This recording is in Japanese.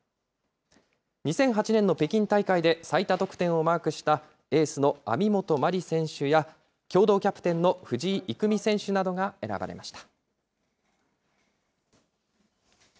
２００８年の北京大会で最多得点をマークしたエースの網本麻里選手や、共同キャプテンの藤井郁美選手などが選ばれました。